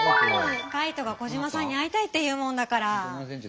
カイトがコジマさんに会いたいっていうもんだから。